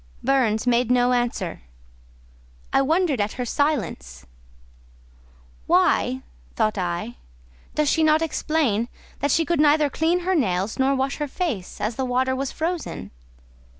Burns made no answer: I wondered at her silence. "Why," thought I, "does she not explain that she could neither clean her nails nor wash her face, as the water was frozen?"